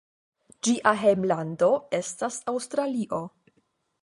Ĝia hejmlando estas Aŭstralio.